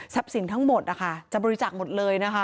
ทรัพย์สินทั้งหมดนะคะจะบริจักษ์หมดเลยนะคะ